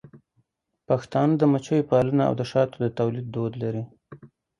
پښتانه د مچیو پالنه او د شاتو د تولید دود لري.